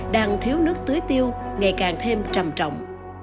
đang thiếu nước tưới tiêu ngày càng thêm trầm trọng